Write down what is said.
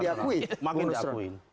berarti semakin diakui